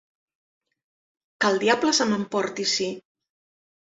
Que el diable se m'emporti si...